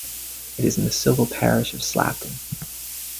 It is in the civil parish of Slapton.